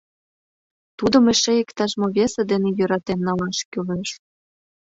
Тудым эше иктаж-мо весе дене йӧратен налаш кӱлеш...